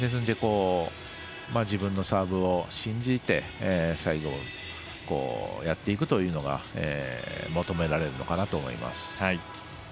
自分のサーブを信じて最後、やっていくというのが求められるのかなと思います。